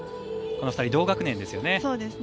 この２人は同学年ですよね。